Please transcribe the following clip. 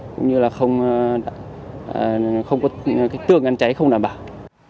cũng như là không có tương ngăn cháy không đảm bảo